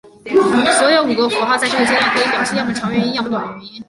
所有五个符号在这个阶段可以表示要么长元音要么短元音。